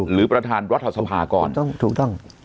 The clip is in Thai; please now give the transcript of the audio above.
หรือประทานรัฐสภาก่อน